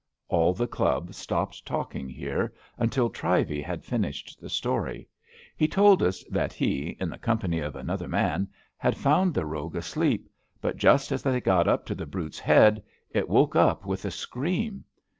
All the Club stopped talking here, until Trivey had finished the story. He told us that he, in the company of another man, A FALLEN IDOL 81 had found the rogue asleep, but just as they got up to the brute ^s head it woke up with a scream.